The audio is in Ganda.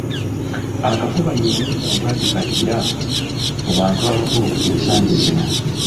Akafuba y’emu ku ndwadde kattira mu bantu abakulu ensangi zino.